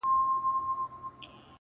پیل لېوه ته په خندا سو ویل وروره؛